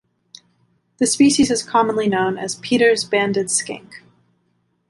The species is commonly known as Peters' banded skink.